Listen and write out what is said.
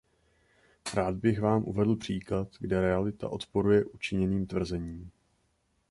Rád bych vám uvedl příklad, kde realita odporuje učiněným tvrzením.